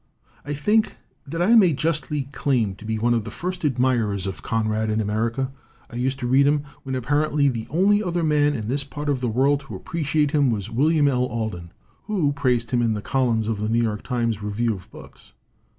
"I think that I may justly claim to be one of the first admirers of Conrad in America. I used to read him when apparently the only other man in this part of the world to appreciate him was William L. Alden, who praised him in the columns of the New York Times Review of Books.